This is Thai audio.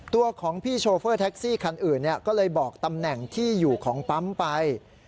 ตัวของพี่โชเฟอร์แท็กซี่คันอื่นก็เลยบอกตำแหน่งที่อยู่ของปั๊มไป